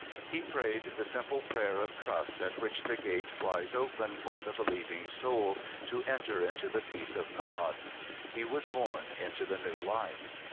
He prayed the simple prayer of trust at which the gate flies open for the believing soul to enter into the peace of God. He was born into the new life.